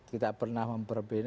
kita pernah mempermasalahkan perbedaan